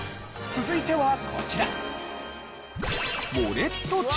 続いてはこちら。